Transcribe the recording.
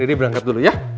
daddy berangkat dulu ya